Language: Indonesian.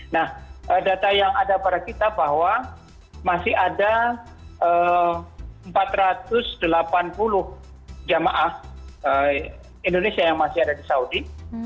nah data yang ada pada kita bahwa masih ada empat ratus delapan puluh jemaah indonesia yang masih ada di saudi